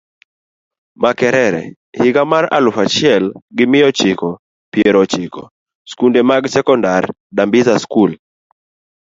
Makerere higa maraluf achiel gimiya chiko gi \piero chiko. Skunde mag sekondar, Dambiza School.